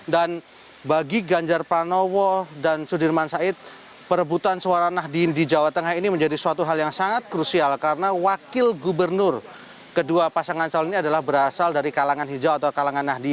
dan bagi ganjar pranowo dan sudirman said